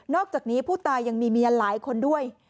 อกจากนี้ผู้ตายยังมีเมียหลายคนด้วย